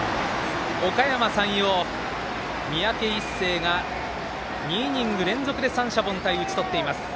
おかやま山陽、三宅一誠が２イニング連続で三者凡退に打ち取っています。